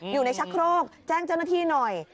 อยู่ในชักโครกแจ้งเจ้าหน้าที่หน่อย